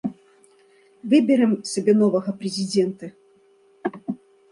Выбярэм сабе новага прэзідэнта!